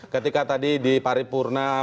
ketika tadi di paripurna